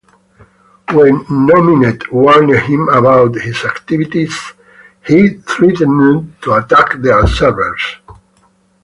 When Nominet warned him about his activities, he threatened to attack their servers.